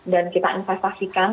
dan kita investasikan